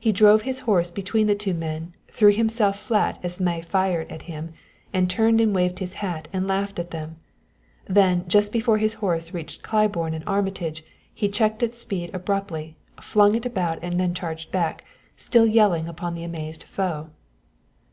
He drove his horse between the two men, threw himself flat as Zmai fired at him, and turned and waved his hat and laughed at them; then, just before his horse reached Claiborne and Armitage, he checked its speed abruptly, flung it about and then charged back, still yelling, upon the amazed foe.